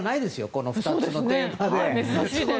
この２つのテーマで。